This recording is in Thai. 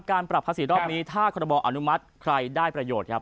การปรับภาษีรอบนี้ถ้าครบออนุมัติใครได้ประโยชน์ครับ